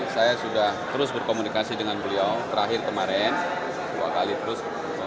saya sudah terus berkomunikasi dengan beliau terakhir kemarin dua kali terus